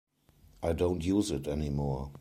I don't use it anymore.